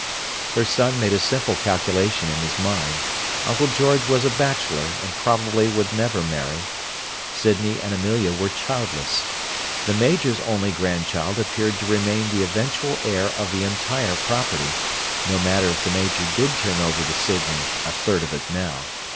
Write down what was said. Her son made a simple calculation in his mind. Uncle George was a bachelor, and probably would never marry; Sydney and Amelia were childless. The Major's only grandchild appeared to remain the eventual heir of the entire property, no matter if the Major did turn over to Sydney a third of it now.